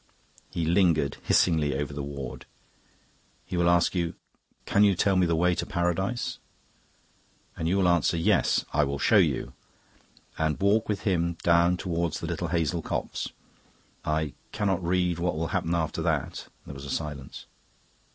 He lingered hissingly over the word. "He will ask you, 'Can you tell me the way to Paradise?' and you will answer, 'Yes, I'll show you,' and walk with him down towards the little hazel copse. I cannot read what will happen after that." There was a silence.